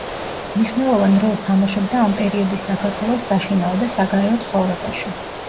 მნიშვნელოვან როლს თამაშობდა ამ პერიოდის საქართველოს საშინაო და საგარეო ცხოვრებაში.